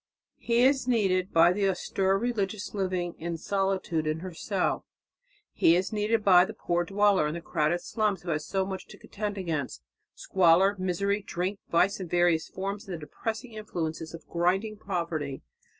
He is needed by the austere religious living in solitude in her cell .... He is needed by the poor dweller in the crowded slums who has so much to contend against squalor, misery, drink, vice in various forms, and the depressing influences of grinding poverty.